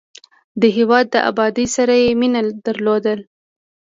د هېواد د ابادۍ سره یې مینه درلودل.